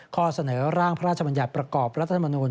ข้อเสนอร่างพระราชบัญญัติประกอบรัฐธรรมนูล